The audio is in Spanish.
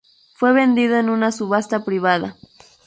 Fue vendido en una subasta privada.